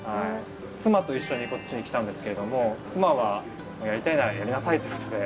妻と一緒にこっちに来たんですけれども妻はやりたいならやりなさいってことで。